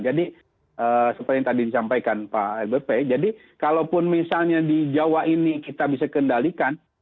jadi seperti yang tadi disampaikan pak lbp jadi kalaupun misalnya di jawa ini kita bisa kendalikan